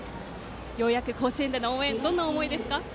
ようやく甲子園での応援どんな思いですか？